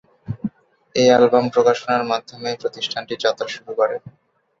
এই অ্যালবাম প্রকাশনার মাধ্যমেই প্রতিষ্ঠানটি যাত্রা শুরু করে।